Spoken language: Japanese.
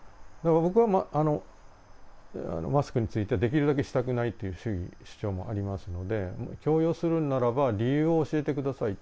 僕はマスクについては、できるだけしたくないという主義・主張もありますので強要するならば理由を教えてくださいと。